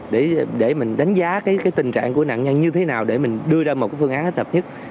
để mình đánh giá cái tình trạng của nạn nhân như thế nào để mình đưa ra một cái phương án hấp dập nhất